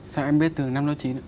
dạ em biết từ năm lớp chín ạ